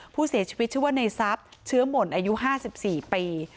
ผู้เสียชีวิตชื่อว่าในทรัพย์เชื้อหม่นอายุ๕๔ปี